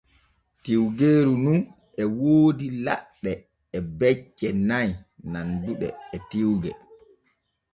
Tiwgeeru nu e woodi laɗɗe e becce nay nanduɗe e tiwge.